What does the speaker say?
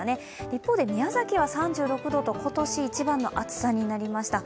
一方で宮崎は３６度と今年一番の暑さとなりました。